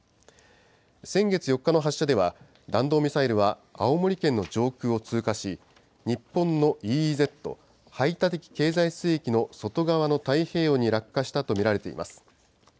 先月４日の発射では、弾道ミサイルは青森県の上空を通過し、日本のＥＥＺ・排他的経済水域の外側の太平洋に落下したと見られています。